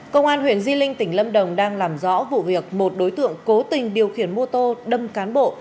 công an huyện di linh tỉnh lâm đồng đang làm rõ vụ việc một đối tượng cố tình điều khiển mô tô đâm cán bộ